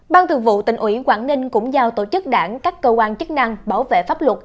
ban thường vụ tỉnh ủy quảng ninh cũng giao tổ chức đảng các cơ quan chức năng bảo vệ pháp luật